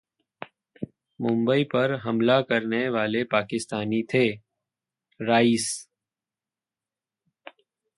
मुंबई पर हमला करने वाले पाकिस्तानी थे: राइस